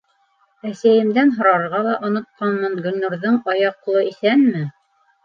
Әсәйемдән һорарға ла онотҡанмын: Гөлнурҙың аяҡ-ҡулы иҫәнме?